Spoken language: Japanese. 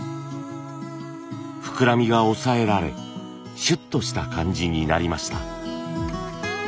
膨らみが抑えられシュッとした感じになりました。